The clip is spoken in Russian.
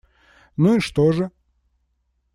Ну и что же?